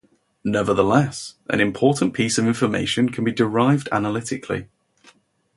Nevertheless, an important piece of information can be derived analytically.